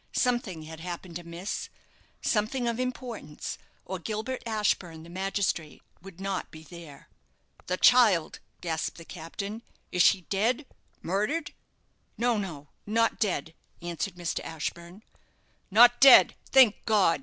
Something had happened amiss something of importance or Gilbert Ashburne, the magistrate, would not be there. "The child!" gasped the captain; "is she dead murdered?" "No, no, not dead," answered Mr. Ashburne. "Not dead! Thank God!"